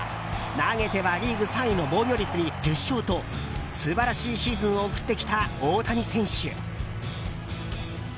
投げてはリーグ３位の防御率に１０勝と素晴らしいシーズンを送ってきた大谷選手。